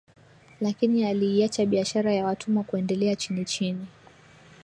lakini aliiacha biashara ya watumwa kuendelea chini chini